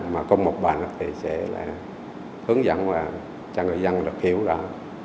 mà cùng một bệnh thì sẽ hướng dẫn cho người dân được hiểu đó